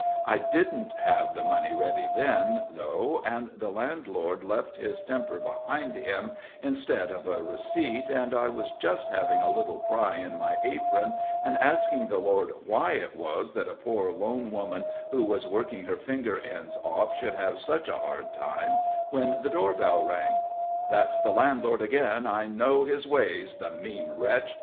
I didn't have the money ready then, though, and the landlord left his temper behind him, instead of a receipt, and I was just having a little cry in my apron, and asking the Lord why it was that a poor lone woman who was working her finger ends off should have such a hard time, when the door bell rang. "That's the landlord again. I know his ways, the mean wretch!"